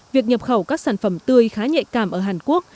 việc nhập khẩu các sản phẩm tươi khá nhạy cảm ở hàn quốc